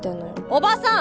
おばさん！